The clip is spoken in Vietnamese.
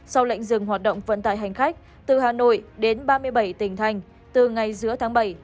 sau lệnh dừng hoạt động vận tải hành khách từ hà nội đến ba mươi bảy tỉnh thành từ ngày giữa tháng bảy